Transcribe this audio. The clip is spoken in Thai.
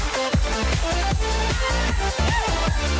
มองแขนตัวต่อไป